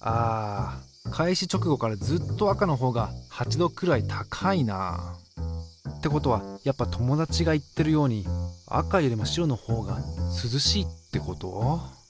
あ開始直後からずっと赤のほうが８℃くらい高いなあ。ってことはやっぱ友達が言ってるように赤よりも白のほうが涼しいってこと？